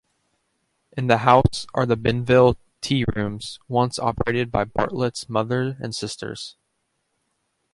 In the house are the Benville Tearooms, once operated by Bartlett's mother and sisters.